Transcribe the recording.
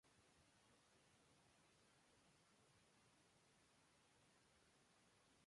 Él priva al público del habla y lo conmueve hasta las lágrimas.